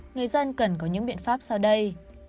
người dân cần có những biện pháp sau đây